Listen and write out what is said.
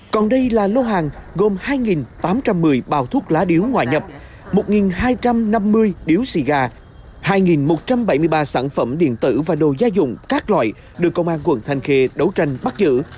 còn đây là lô hàng gồm hai tám trăm một mươi bao thuốc lá điếu ngoại nhập một hai trăm năm mươi điếu xì gà hai một trăm bảy mươi ba sản phẩm điện tử và đồ gia dụng các loại được công an quận thanh khê đấu tranh bắt giữ